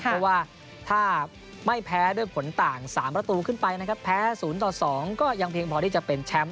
เพราะว่าถ้าไม่แพ้ด้วยผลต่าง๓ประตูขึ้นไปนะครับแพ้๐ต่อ๒ก็ยังเพียงพอที่จะเป็นแชมป์